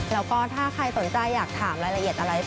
แล้วก็ถ้าใครสนใจอยากถามรายละเอียดอะไร